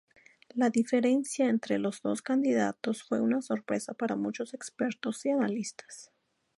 La diferencia entre los dos candidatos fue una sorpresa para muchos expertos y analistas.